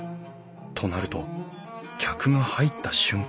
となると客が入った瞬間